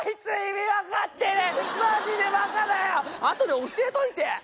あとで教えといて。